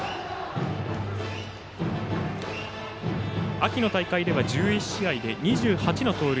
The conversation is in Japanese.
秋の大会では１１試合で２８の盗塁。